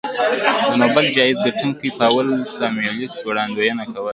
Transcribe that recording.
د نوبل جایزې ګټونکي پاول ساموېلسن وړاندوینه کوله